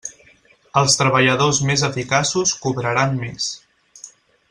Els treballadors més eficaços cobraran més.